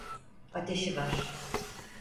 Ateşi var.